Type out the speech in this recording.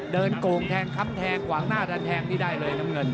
เดินโกงแทงคำแทงหวังหน้าแทนแทงได้เลยน้ำเงิน